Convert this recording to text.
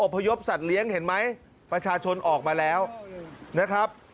พยพสัตว์เลี้ยงเห็นไหมประชาชนออกมาแล้วนะครับ